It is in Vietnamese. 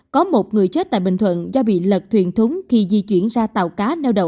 có một người chết tại bình thuận do bị lật thuyền thúng khi di chuyển ra tàu cá neo đậu